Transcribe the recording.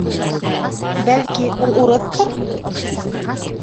— Бәлки, ул урыҫтыр?